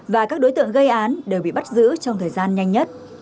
và các đối tượng gây án đều bị bắt giữ trong thời gian nhanh nhất